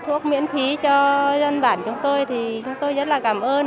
thuốc miễn phí cho dân bản chúng tôi thì chúng tôi rất là cảm ơn